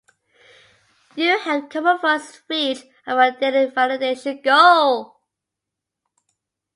You've helped Common Voice reach of our daily validation goal!